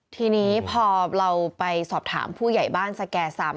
ทีนี้พอเราไปสอบถามผู้ใหญ่บ้านสแก่ซ้ำ